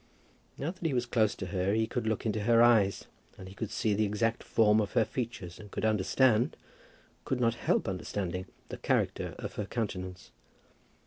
Now that he was close to her, he could look into her eyes, and he could see the exact form of her features, and could understand, could not help understanding, the character of her countenance.